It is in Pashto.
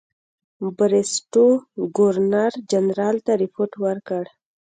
بریسټو ګورنرجنرال ته رپوټ ورکړ.